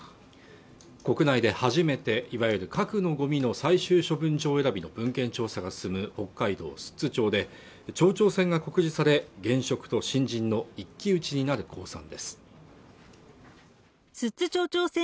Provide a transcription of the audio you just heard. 国内で初めていわゆる核のごみの最終処分場選びの文献調査が進む北海道寿都町で町長選が告示され現職と新人の一騎打ちになる公算です